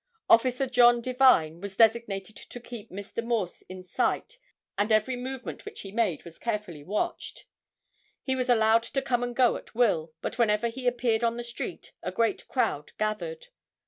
Officer John Devine was designated to keep Mr. Morse in sight and every movement which he made was carefully watched. He was allowed to come and go at will, but whenever he appeared on the street a great crowd gathered.